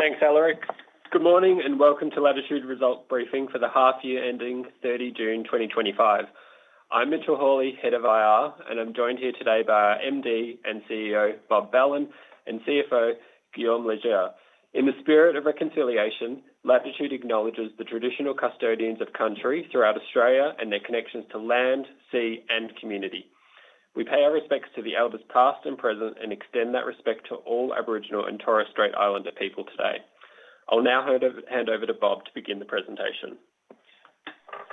Thanks, Alaric. Good morning and welcome to Latitude Results Briefing for the half-year ending 30 June 2025. I'm Mitchell Hawley, Head of IR, and I'm joined here today by our MD and CEO, Bob Belan, and CFO, Guillaume Leger. In the spirit of reconciliation, Latitude acknowledges the traditional custodians of country throughout Australia and their connections to land, sea, and community. We pay our respects to the Elders past and present and extend that respect to all Aboriginal and Torres Strait Islander people today. I'll now hand over to Bob to begin the presentation.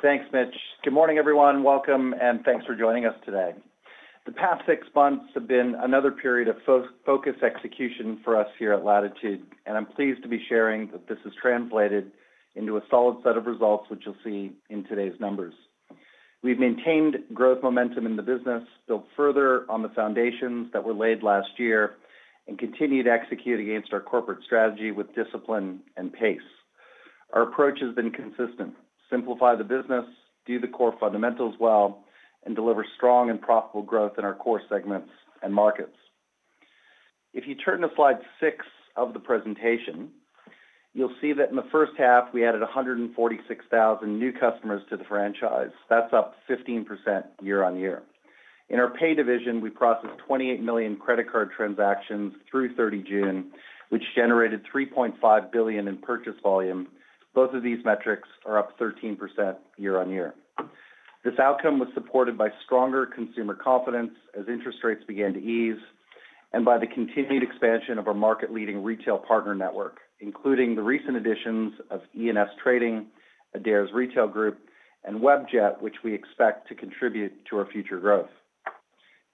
Thanks, Mitch. Good morning, everyone. Welcome and thanks for joining us today. The past six months have been another period of focused execution for us here at Latitude, and I'm pleased to be sharing that this has translated into a solid set of results, which you'll see in today's numbers. We've maintained growth momentum in the business, built further on the foundations that were laid last year, and continued to execute against our corporate strategy with discipline and pace. Our approach has been consistent: simplify the business, do the core fundamentals well, and deliver strong and profitable growth in our core segments and markets. If you turn to slide six of the presentation, you'll see that in the first half, we added 146,000 new customers to the franchise. That's up 15% year on year. In our pay division, we processed 28 million credit card transactions through 30 June, which generated $3.5 billion in purchase volume. Both of these metrics are up 13% year on year. This outcome was supported by stronger consumer confidence as interest rates began to ease and by the continued expansion of our market-leading retail partner network, including the recent additions of E&F Trading, Adairs Retail Group, and WebJet, which we expect to contribute to our future growth.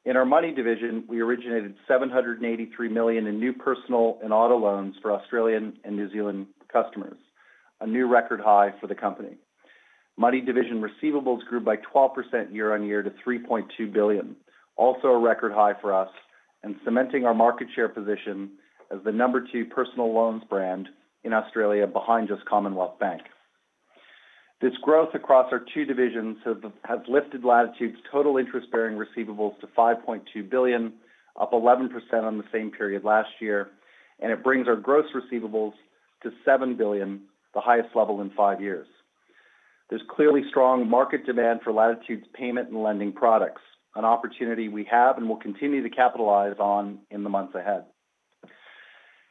In our money division, we originated $783 million in new personal and auto loans for Australian and New Zealand customers, a new record high for the company. Money division receivables grew by 12% year on year to $3.2 billion, also a record high for us, and cementing our market share position as the number two personal loans brand in Australia, behind just Commonwealth Bank. This growth across our two divisions has lifted Latitude's total interest-bearing receivables to $5.2 billion, up 11% on the same period last year, and it brings our gross receivables to $7 billion, the highest level in five years. There's clearly strong market demand for Latitude's payment and lending products, an opportunity we have and will continue to capitalize on in the months ahead.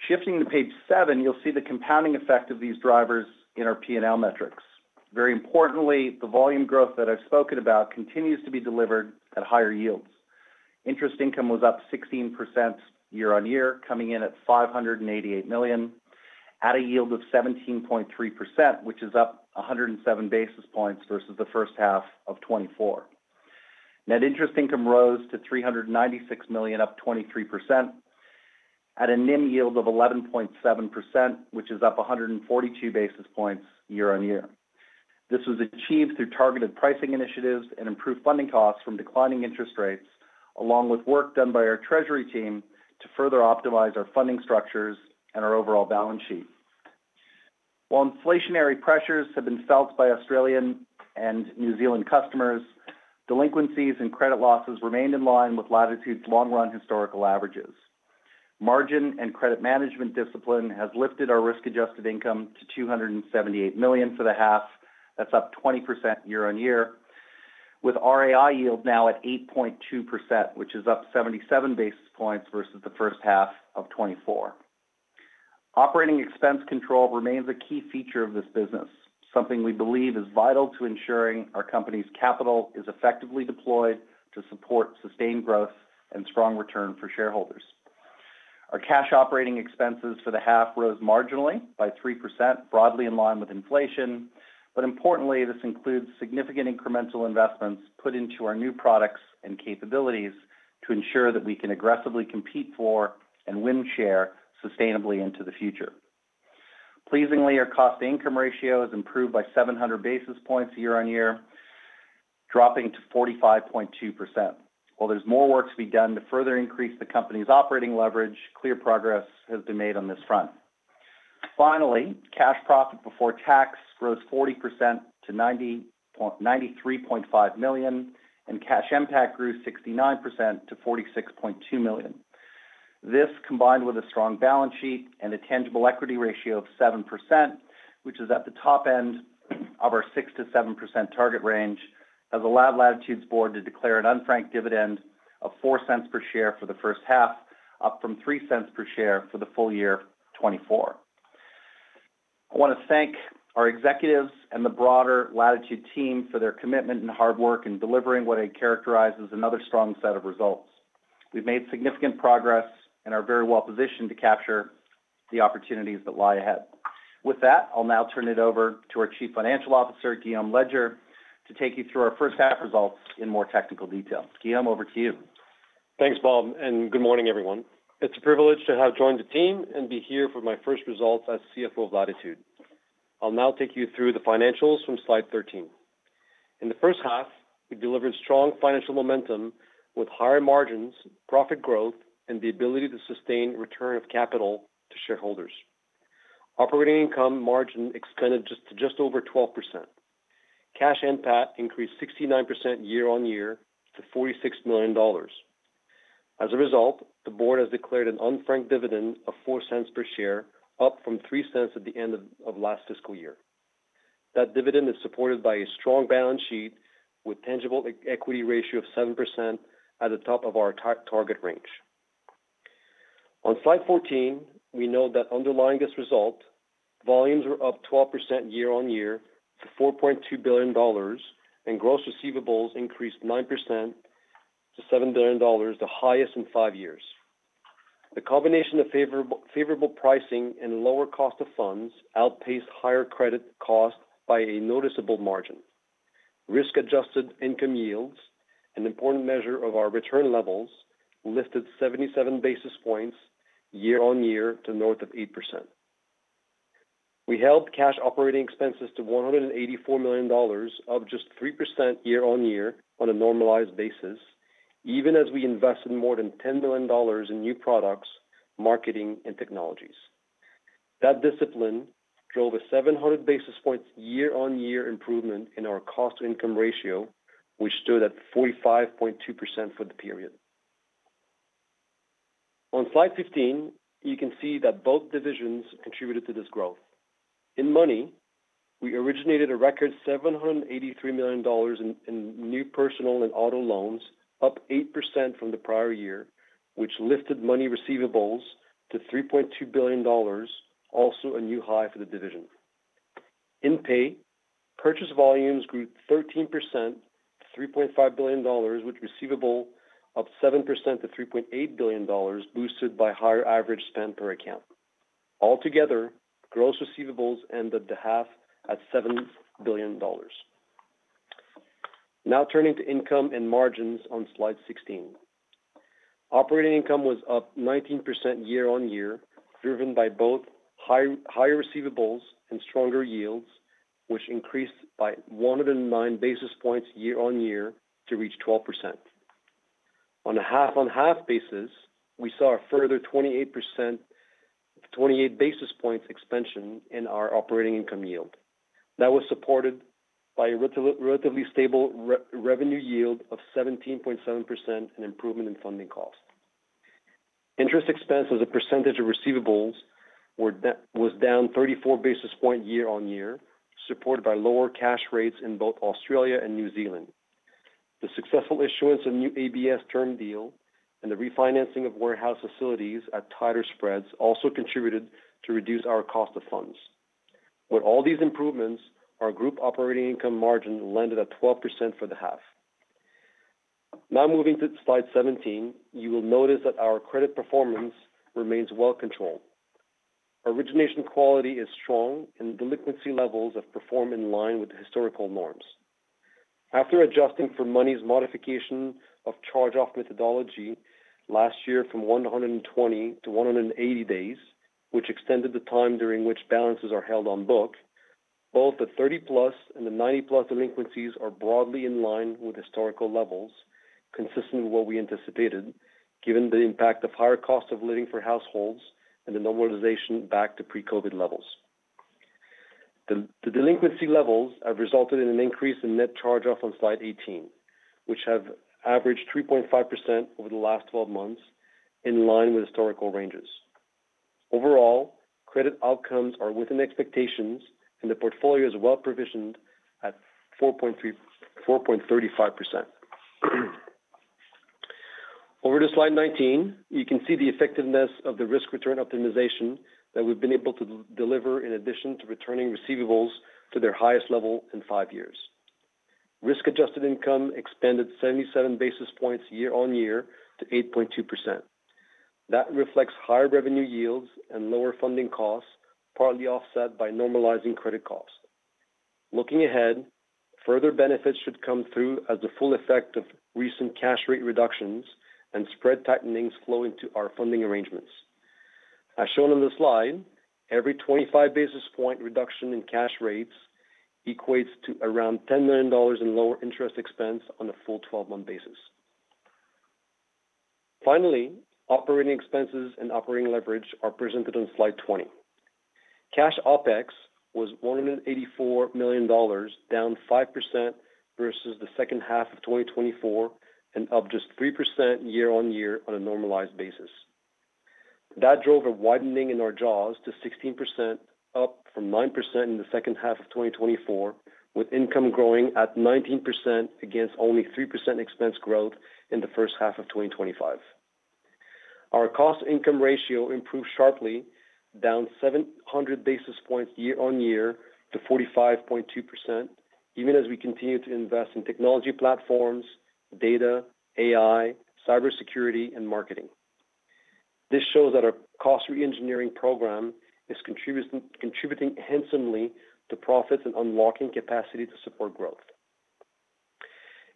Shifting to page seven, you'll see the compounding effect of these drivers in our P&L metrics. Very importantly, the volume growth that I've spoken about continues to be delivered at higher yields. Interest income was up 16% year on year, coming in at $588 million, at a yield of 17.3%, which is up 107 basis points versus the first half of 2024. Net interest income rose to $396 million, up 23%, at a NIM yield of 11.7%, which is up 142 basis points year on year. This was achieved through targeted pricing initiatives and improved funding costs from declining interest rates, along with work done by our Treasury team to further optimize our funding structures and our overall balance sheet. While inflationary pressures have been felt by Australian and New Zealand customers, delinquencies and credit losses remained in line with Latitude's long-run historical averages. Margin and credit management discipline has lifted our risk-adjusted income to $278 million for the half. That's up 20% year on year, with RAI yield now at 8.2%, which is up 77 basis points versus the first half of 2024. Operating expense control remains a key feature of this business, something we believe is vital to ensuring our company's capital is effectively deployed to support sustained growth and strong return for shareholders. Our cash operating expenses for the half rose marginally by 3%, broadly in line with inflation, but importantly, this includes significant incremental investments put into our new products and capabilities to ensure that we can aggressively compete for and win share sustainably into the future. Pleasingly, our cost-to-income ratio has improved by 700 basis points year on year, dropping to 45.2%. While there's more work to be done to further increase the company's operating leverage, clear progress has been made on this front. Finally, cash profit before tax rose 40% to $93.5 million, and cash impact grew 69% to $46.2 million. This, combined with a strong balance sheet and a tangible equity ratio of 7%, which is at the top end of our 6%-7% target range, has allowed Latitude's board to declare an unfranked dividend of $0.04 per share for the first half, up from $0.03 per share for the full year 2024. I want to thank our executives and the broader Latitude team for their commitment and hard work in delivering what I characterize as another strong set of results. We've made significant progress and are very well positioned to capture the opportunities that lie ahead. With that, I'll now turn it over to our Chief Financial Officer, Guillaume Leger, to take you through our first half results in more technical detail. Guillaume, over to you. Thanks, Bob, and good morning, everyone. It's a privilege to have joined the team and be here for my first results as CFO of Latitude. I'll now take you through the financials from slide 13. In the first half, we delivered strong financial momentum with higher margins, profit growth, and the ability to sustain a return of capital to shareholders. Operating income margin expanded to just over 12%. Cash impact increased 69% year on year to $46 million. As a result, the board has declared an unfranked dividend of $0.04 per share, up from $0.03 at the end of last fiscal year. That dividend is supported by a strong balance sheet with a tangible equity ratio of 7% at the top of our target range. On slide 14, we note that underlying this result, volumes were up 12% year on year to $4.2 billion, and gross receivables increased 9% to $7 billion, the highest in five years. The combination of favorable pricing and lower cost of funds outpaced higher credit costs by a noticeable margin. Risk-adjusted income yields, an important measure of our return levels, lifted 77 basis points year on year to north of 8%. We held cash operating expenses to $184 million, up just 3% year on year on a normalized basis, even as we invested more than $10 million in new products, marketing, and technologies. That discipline drove a 700 basis points year on year improvement in our cost-to-income ratio, which stood at 45.2% for the period. On slide 15, you can see that both divisions contributed to this growth. In Money, we originated a record $783 million in new personal and auto loans, up 8% from the prior year, which lifted Money receivables to $3.2 billion, also a new high for the division. In Pay, purchase volumes grew 13% to $3.5 billion, with receivables up 7% to $3.8 billion, boosted by higher average spend per account. Altogether, gross receivables ended the half at $7 billion. Now turning to income and margins on slide 16. Operating income was up 19% year on year, driven by both higher receivables and stronger yields, which increased by 109 basis points year on year to reach 12%. On a half-on-half basis, we saw a further 28 basis points expansion in our operating income yield. That was supported by a relatively stable revenue yield of 17.7% and improvement in funding costs. Interest expense as a percentage of receivables was down 34 basis points year on year, supported by lower cash rates in both Australia and New Zealand. The successful issuance of new ABS term deal and the refinancing of warehouse facilities at tighter spreads also contributed to reduce our cost of funds. With all these improvements, our group operating income margin landed at 12% for the half. Now moving to slide 17, you will notice that our credit performance remains well controlled. Origination quality is strong and delinquency levels have performed in line with the historical norms. After adjusting for Money's modification of charge-off methodology last year from 120 to 180 days, which extended the time during which balances are held on book, both the 30+ and the 90+ delinquencies are broadly in line with historical levels, consistent with what we anticipated, given the impact of higher cost of living for households and the normalization back to pre-COVID levels. The delinquency levels have resulted in an increase in net charge-off on slide 18, which have averaged 3.5% over the last 12 months, in line with historical ranges. Overall, credit outcomes are within expectations and the portfolio is well provisioned at 4.35%. Over to slide 19, you can see the effectiveness of the risk return optimization that we've been able to deliver in addition to returning receivables to their highest level in five years. Risk-adjusted income expanded 77 basis points year on year to 8.2%. That reflects higher revenue yields and lower funding costs, partly offset by normalizing credit costs. Looking ahead, further benefits should come through as the full effect of recent cash rate reductions and spread tightenings flow into our funding arrangements. As shown on the slide, every 25 basis point reduction in cash rates equates to around $10 million in lower interest expense on a full 12-month basis. Finally, operating expenses and operating leverage are presented on slide 20. Cash OpEx was $184 million, down 5% versus the second half of 2024 and up just 3% year on year on a normalized basis. That drove a widening in our jaws to 16%, up from 9% in the second half of 2024, with income growing at 19% against only 3% expense growth in the first half of 2025. Our cost-to-income ratio improved sharply, down 700 basis points year on year to 45.2%, even as we continue to invest in technology platforms, data, AI, cybersecurity, and marketing. This shows that our cost re-engineering program is contributing handsomely to profits and unlocking capacity to support growth.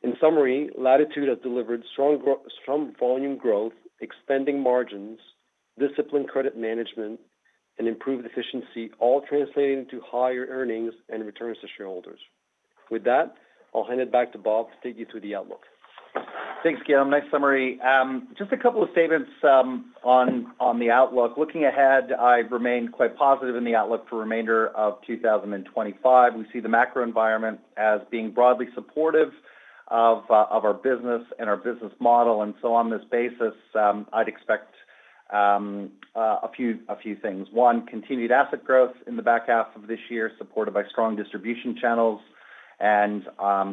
In summary, Latitude has delivered strong volume growth, expanding margins, disciplined credit management, and improved efficiency, all translating to higher earnings and returns to shareholders. With that, I'll hand it back to Bob to take you through the outlook. Thanks, Guillaume. Nice summary. Just a couple of statements on the outlook. Looking ahead, I remain quite positive in the outlook for the remainder of 2025. We see the macro environment as being broadly supportive of our business and our business model. On this basis, I'd expect a few things. One, continued asset growth in the back half of this year, supported by strong distribution channels and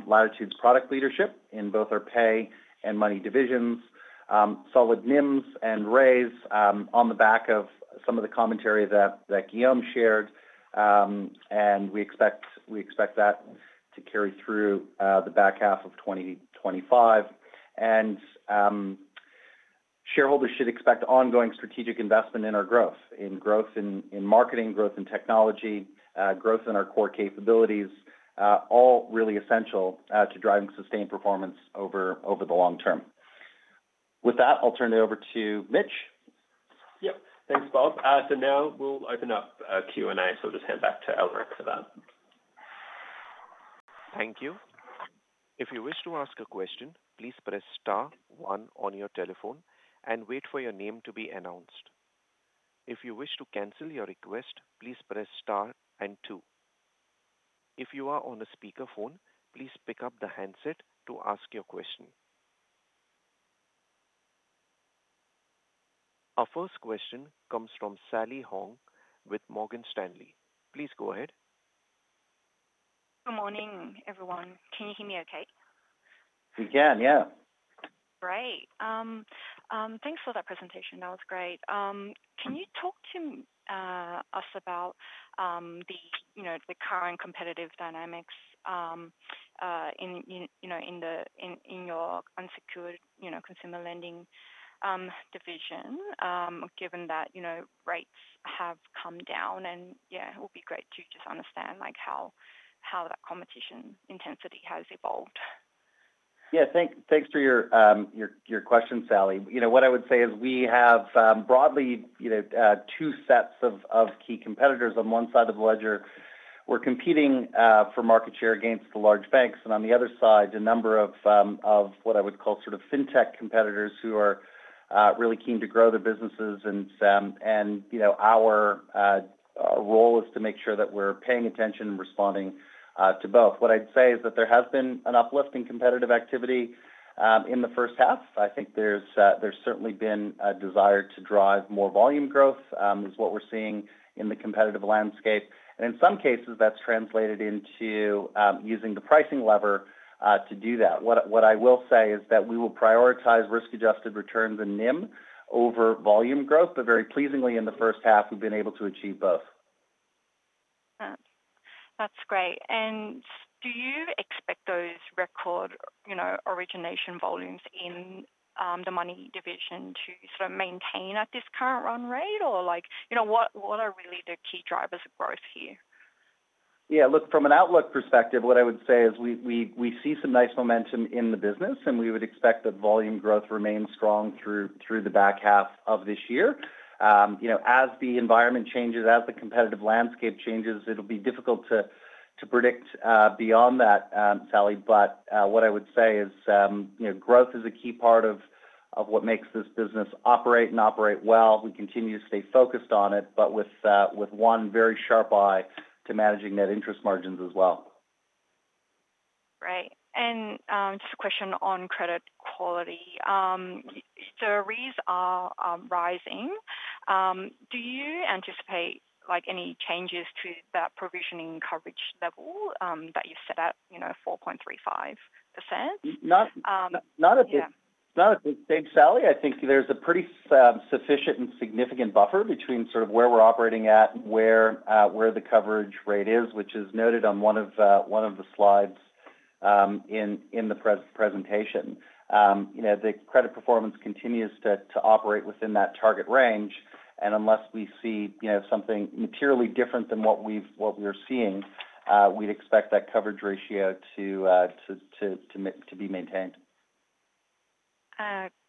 Latitude's product leadership in both our pay and money divisions. Solid NIMs and RAIs on the back of some of the commentary that Guillaume shared. We expect that to carry through the back half of 2025. Shareholders should expect ongoing strategic investment in our growth, in growth in marketing, growth in technology, growth in our core capabilities, all really essential to driving sustained performance over the long term. With that, I'll turn it over to Mitch. Yeah, thanks, Bob. Now we'll open up Q&A. I'll just hand back to Alaric for that. Thank you. If you wish to ask a question, please press star one on your telephone and wait for your name to be announced. If you wish to cancel your request, please press star and two. If you are on a speakerphone, please pick up the handset to ask your question. Our first question comes from Sally Hong with Morgan Stanley. Please go ahead. Good morning, everyone. Can you hear me okay? We can, yeah. Great. Thanks for that presentation. That was great. Can you talk to us about the current competitive dynamics in your unsecured consumer lending division, given that rates have come down? It would be great to just understand how that competition intensity has evolved. Yeah, thanks for your question, Sally. What I would say is we have broadly two sets of key competitors. On one side of the ledger, we're competing for market share against the large banks. On the other side, a number of what I would call sort of fintech competitors who are really keen to grow their businesses. Our role is to make sure that we're paying attention and responding to both. What I'd say is that there has been an uplift in competitive activity in the first half. I think there's certainly been a desire to drive more volume growth, which is what we're seeing in the competitive landscape. In some cases, that's translated into using the pricing lever to do that. What I will say is that we will prioritize risk-adjusted returns and NIM over volume growth. Very pleasingly, in the first half, we've been able to achieve both. That's great. Do you expect those record origination volumes in the Money division to sort of maintain at this current run rate, or what are really the key drivers of growth here? Yeah, look, from an outlook perspective, what I would say is we see some nice momentum in the business, and we would expect that volume growth remains strong through the back half of this year. As the environment changes, as the competitive landscape changes, it'll be difficult to predict beyond that, Sally. What I would say is, you know, growth is a key part of what makes this business operate and operate well. We continue to stay focused on it, but with one very sharp eye to managing net interest margins as well. Right. Just a question on credit quality. The RAIs are rising. Do you anticipate any changes to that provisioning coverage level that you set at 4.35%? Dave, Sally, I think there's a pretty sufficient and significant buffer between sort of where we're operating at and where the coverage rate is, which is noted on one of the slides in the presentation. You know, the credit performance continues to operate within that target range. Unless we see something materially different than what we're seeing, we'd expect that coverage ratio to be maintained.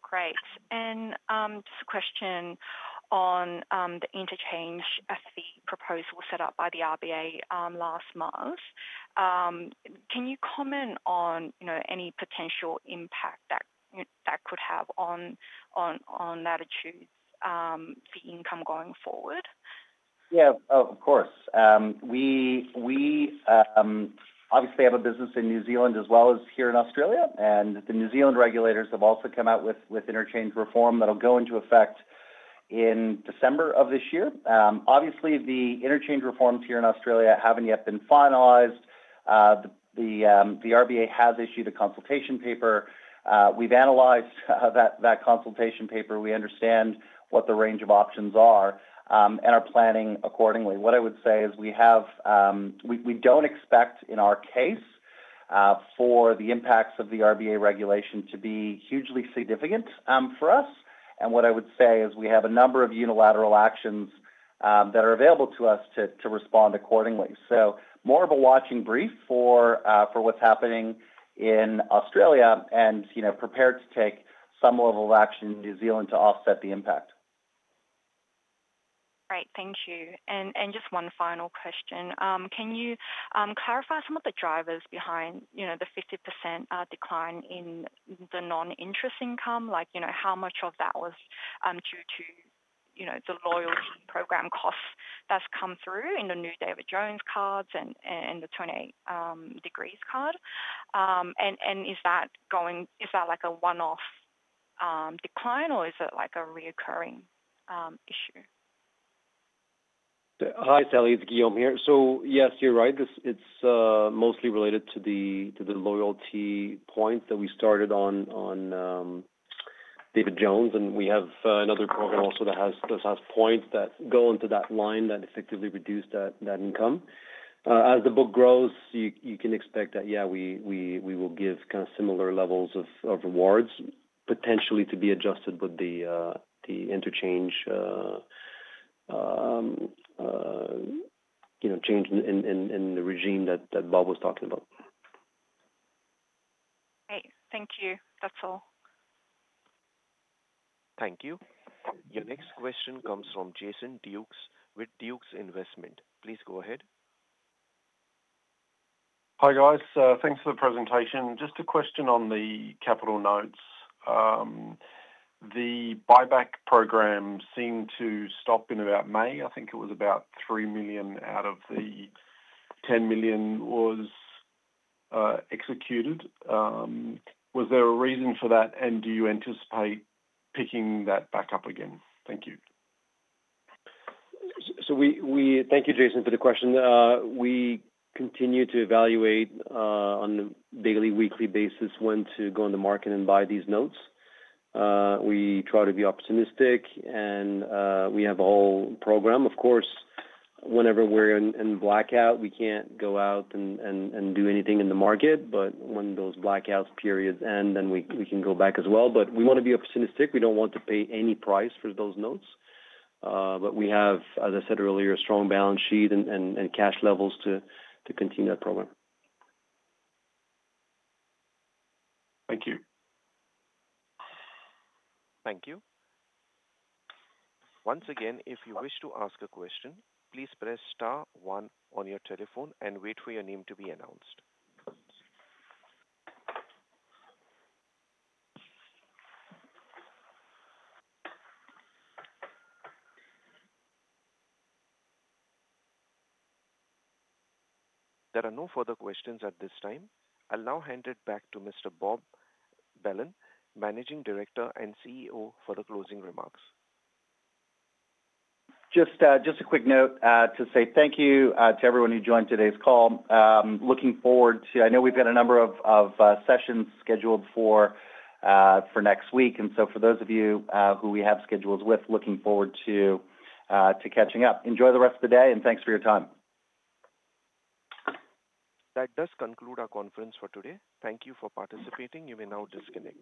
Great. Just a question on the interchange fee proposal set up by the RBA last month. Can you comment on any potential impact that could have on Latitude's fee income going forward? Yeah, of course. We obviously have a business in New Zealand as well as here in Australia. The New Zealand regulators have also come out with interchange reform that'll go into effect in December of this year. The interchange reforms here in Australia haven't yet been finalized. The RBA has issued a consultation paper. We've analyzed that consultation paper, we understand what the range of options are, and are planning accordingly. What I would say is we don't expect, in our case, for the impacts of the RBA regulation to be hugely significant for us. What I would say is we have a number of unilateral actions that are available to us to respond accordingly. More of a watching brief for what's happening in Australia and prepared to take some level of action in New Zealand to offset the impact. Great. Thank you. Just one final question. Can you clarify some of the drivers behind the 50% decline in the non-interest income? Like, you know, how much of that was due to the loyalty program costs that's come through in the new David Jones cards and in the 28 Degrees card? Is that going, is that like a one-off decline, or is it like a recurring issue? Hi, Sally. It's Guillaume here. Yes, you're right. It's mostly related to the loyalty points that we started on David Jones. We have another program also that has points that go into that line that effectively reduce that income. As the book grows, you can expect that we will give kind of similar levels of rewards, potentially to be adjusted with the interchange change in the regime that Bob was talking about. Great. Thank you. That's all. Thank you. Your next question comes from Jason Dukes with Dukes Investment. Please go ahead. Hi, guys. Thanks for the presentation. Just a question on the capital notes. The buyback programs seem to stop in about May. I think it was about $3 million out of the $10 million was executed. Was there a reason for that, and do you anticipate picking that back up again? Thank you. Thank you, Jason, for the question. We continue to evaluate on a daily, weekly basis when to go on the market and buy these notes. We try to be opportunistic, and we have a whole program. Of course, whenever we're in blackout, we can't go out and do anything in the market. When those blackout periods end, we can go back as well. We want to be opportunistic. We don't want to pay any price for those notes. We have, as I said earlier, a strong balance sheet and cash levels to continue that program. Thank you. Thank you. Once again, if you wish to ask a question, please press star one on your telephone and wait for your name to be announced. There are no further questions at this time. I'll now hand it back to Mr. Bob Belan, Managing Director and CEO, for the closing remarks. Just a quick note to say thank you to everyone who joined today's call. Looking forward to, I know we've got a number of sessions scheduled for next week. For those of you who we have schedules with, looking forward to catching up. Enjoy the rest of the day, and thanks for your time. That does conclude our conference for today. Thank you for participating. You may now disconnect.